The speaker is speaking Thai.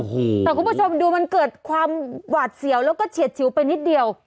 แต่คุณผู้ชมดูมันเกิดความหวาดเสียวแล้วก็เฉียดฉิวไปนิดเดียว